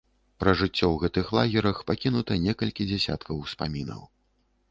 Пра жыццё ў гэтых лагерах пакінута некалькі дзясяткаў успамінаў.